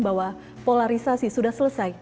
bahwa polarisasi sudah selesai